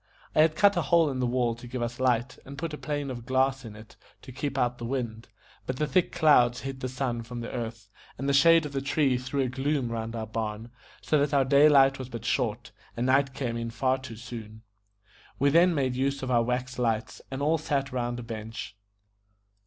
I had cut a hole in the wall to give us light, and put a pane of glass in it to keep out the wind, but the thick clouds hid the sun from the earth, and the shade of the tree threw a gloom round our barn, so that our day light was but short, and night came on far too soon. We then made use of our wax lights, and all sat round a bench.